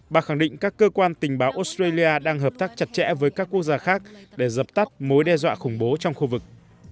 bà khẳng định các cơ quan tình báo australia đang hợp tác chặt chẽ với các quốc gia khác để dập tắt mối đe dọa khủng bố trong khu vực